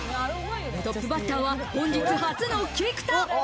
トップバッターは本日初の菊田。